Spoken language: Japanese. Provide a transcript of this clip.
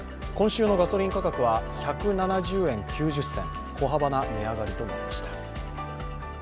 今週のガソリン価格は１７０円９０銭小幅な値上がりとなりました。